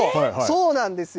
そうなんですよ。